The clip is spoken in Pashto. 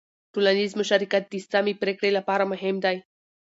ټولنیز مشارکت د سمې پرېکړې لپاره مهم دی.